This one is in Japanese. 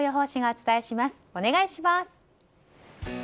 お願いします。